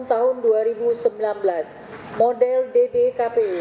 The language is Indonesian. tentang rekapitulasi hasil penghitungan kerolehan umum